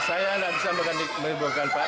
saya tidak bisa meliburkan pak